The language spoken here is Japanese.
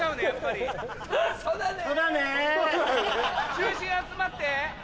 中心集まって。